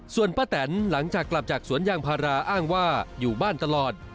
ส่วนป้าแตนหลังจากกลับจากสวนยางพาราอ้างว่าอยู่บ้านตลอด